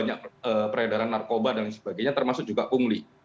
banyak peredaran narkoba dan sebagainya termasuk juga ungli